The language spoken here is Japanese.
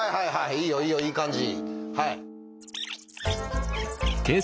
いいよいいよいい感じ。